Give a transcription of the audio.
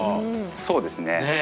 そうですね。